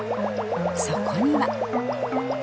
そこには